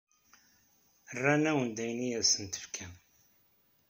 Rran-awen-d ayen i asen-tefkam.